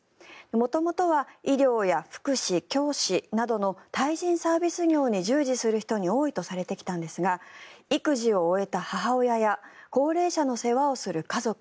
元々は医療や福祉、教師などの対人サービス業に従事する人に多いとされてきたんですが育児を終えた母親や高齢者の世話をする家族